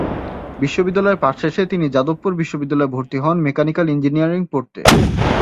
বিদ্যালয়ের পাঠ শেষে তিনি যাদবপুর বিশ্ববিদ্যালয়ে ভর্তি হন মেকানিক্যাল ইঞ্জিনিয়ারিং পড়তে।